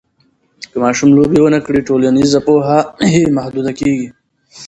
که ماشوم لوبې ونه کړي، ټولنیزه پوهه یې محدوده کېږي.